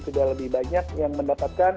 sudah lebih banyak yang mendapatkan